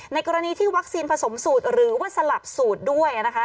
กรณีที่วัคซีนผสมสูตรหรือว่าสลับสูตรด้วยนะคะ